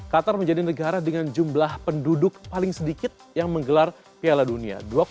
qatar menjadi negara dengan jumlah penduduk paling sedikit yang menggelar piala dunia